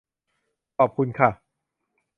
ขอบคุณค่ะ